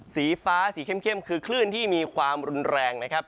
สีฟ้าสีเข้มคือคลื่นที่มีความรุนแรงนะครับ